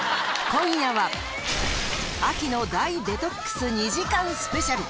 今夜は、秋の大デトックス２時間スペシャル。